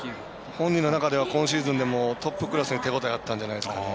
本人の中でもトップクラスに手応えあったんじゃないですかね。